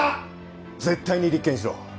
絶対に立件しろ。